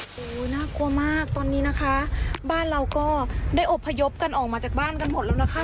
โอ้โหน่ากลัวมากตอนนี้นะคะบ้านเราก็ได้อบพยพกันออกมาจากบ้านกันหมดแล้วนะคะ